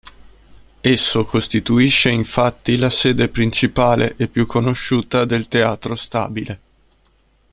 Esso costituisce infatti la sede principale e più conosciuta del Teatro Stabile.